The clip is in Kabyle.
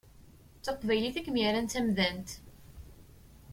D taqbaylit i kem-yerran d tamdant.